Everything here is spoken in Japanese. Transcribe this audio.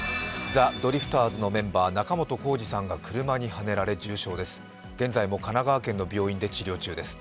ザ・ドリフターズのメンバー仲本工事さんが車にはねられ重傷です。